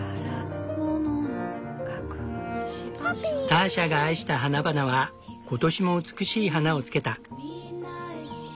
ターシャが愛した花々は今年も美しい花をつけた。